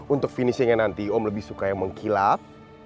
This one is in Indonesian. untuk finishingnya nanti om lebih suka yang mengkilap